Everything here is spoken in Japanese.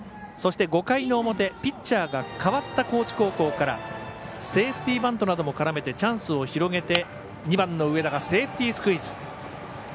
そして５回の表ピッチャーがかわった高知高校からセーフティーバントなども絡めてチャンスを広げて２番の上田がセーフティースクイズ。